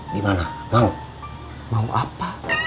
gimana mau mau apa